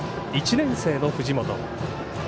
１年生の藤本。